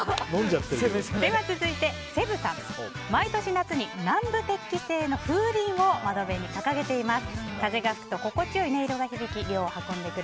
続いて毎年夏に南部鉄器製の風鈴を窓辺に掲げています。